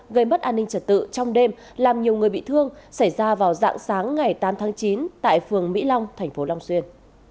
gây mất an ninh trật tự trong đêm làm nhiều người bị thương xảy ra vào dạng sáng ngày tám tháng chín tại phường mỹ long thành phố long xuyên